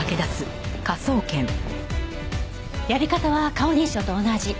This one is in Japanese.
やり方は顔認証と同じ。